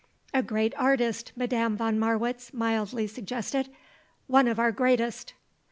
"A great artist," Madame von Marwitz mildly suggested. "One of our greatest."